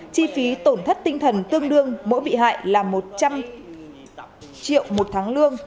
chi phí tổn thất tinh thần tương đương mỗi bị hại là một trăm linh triệu một tháng lương